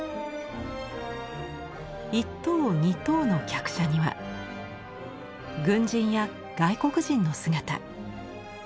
一等二等の客車には軍人や外国人の姿。